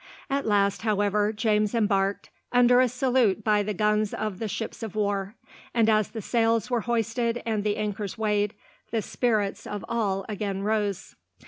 At last, however, James embarked, under a salute by the guns of the ships of war; and as the sails were hoisted and the anchors weighed, the spirits of all again rose.